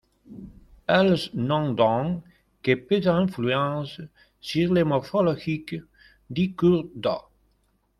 Elles n’ont donc que peu d'influence sur la morphologique du cours d'eau.